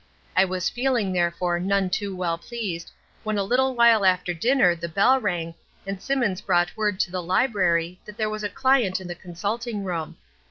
I was feeling, therefore, none too well pleased, when a little while after dinner the bell rang and Simmons brought word to the library that there was a client in the consulting room.